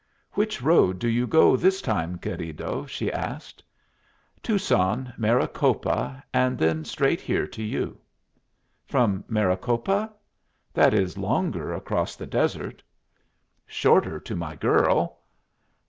"Which road do you go this time, querido?" she asked. "Tucson, Maricopa, and then straight here to you." "From Maricopa? That is longer across the desert." "Shorter to my girl."